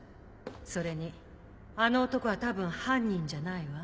それにあの男はたぶん犯人じゃないわ。